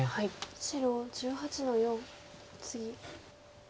白１８の四ツギ。